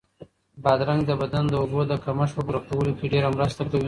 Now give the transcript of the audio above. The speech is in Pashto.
بادرنګ د بدن د اوبو د کمښت په پوره کولو کې ډېره مرسته کوي.